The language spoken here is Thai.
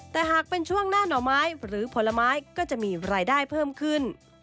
แต่หากเป็นช่วงหน้าหน่อไม้หรือผลไม้ก็จะมีรายได้เพิ่มขึ้น